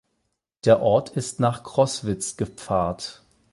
Der Ort ist nach Crostwitz gepfarrt.